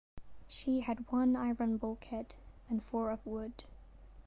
She had one iron bulkhead and four of wood.